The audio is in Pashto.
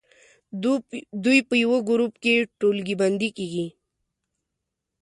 دوی په یوه ګروپ کې ټولګی بندي کیږي.